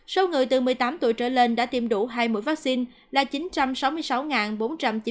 số người từ một mươi tám tuổi trở lên đã tiêm đủ hai mũi vaccine là chín trăm sáu mươi sáu bốn trăm chín mươi chín